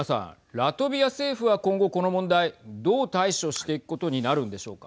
ラトビア政府は今後この問題どう対処していくことになるんでしょうか。